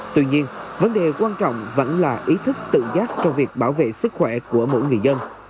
tuy nhiên vấn đề quan trọng vẫn là ý thức tự giác trong việc bảo vệ sức khỏe của mỗi người dân